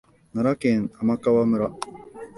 奈良県天川村